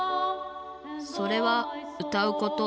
それはうたうこと。